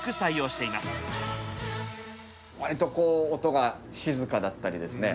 わりと音が静かだったりですね。